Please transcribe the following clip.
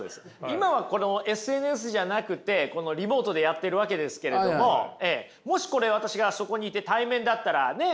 今はこのＳＮＳじゃなくてリモートでやってるわけですけれどももしこれ私がそこにいて対面だったらね